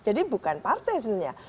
jadi bukan partai hasilnya